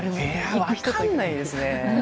分かんないですね。